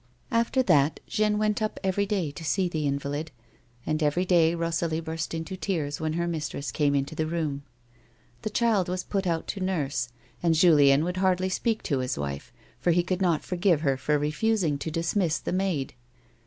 After that, Jeanne went up every day to see the invalid, and every day Rosalie burst into tears when her mistress came into the room. The child was put out to nurse, and Julien would hardly speak to his wife for he could not for give her for refusing to dismiss the maid.